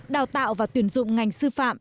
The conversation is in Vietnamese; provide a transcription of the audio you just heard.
đào tạo và tuyển dụng ngành sư phạm